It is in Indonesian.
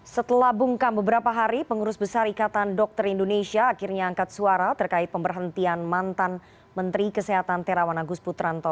setelah bungkam beberapa hari pengurus besar ikatan dokter indonesia akhirnya angkat suara terkait pemberhentian mantan menteri kesehatan terawan agus putranto